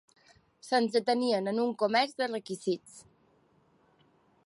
S'entretenien en un comerç de requisits.